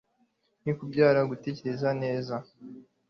ni ukwibyara gutera ababyeyi ineza